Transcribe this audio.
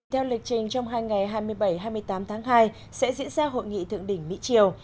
theo lịch trình trong hai ngày hai mươi bảy hai mươi tám tháng hai sẽ diễn ra hội nghị thượng đỉnh mỹ triều